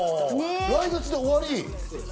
来月で終わり？